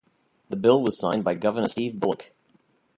The bill was signed by Governor Steve Bullock.